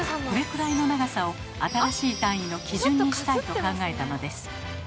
これくらいの長さを新しい単位の基準にしたいと考えたのです。